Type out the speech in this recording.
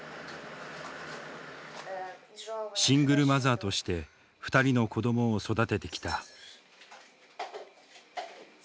シングルマザーとして２人の子どもを育ててきた。